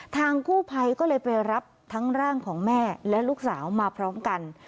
ทางกู้ภัยก็เลยไปรับทั้งร่างของแม่และลูกสาวมาพร้อมกัน